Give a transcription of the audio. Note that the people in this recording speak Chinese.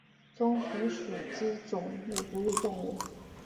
棕蝠属等之数种哺乳动物。